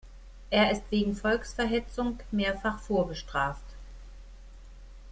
Er ist wegen Volksverhetzung mehrfach vorbestraft.